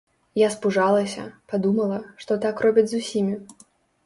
Я спужалася, падумала, што так робяць з усімі.